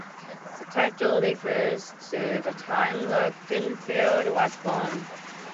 The title refers to the time Rockenfield was born.